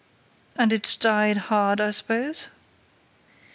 "And it died hard, I suppose?"